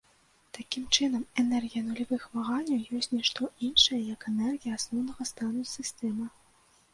Такім чынам, энергія нулявых ваганняў ёсць ні што іншае, як энергія асноўнага стану сістэмы.